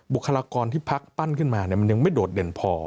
คลากรที่พักปั้นขึ้นมามันยังไม่โดดเด่นพอ